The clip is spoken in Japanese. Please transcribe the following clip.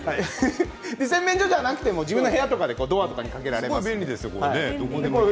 洗面所じゃなくても自分の部屋にドアに掛けて見られます。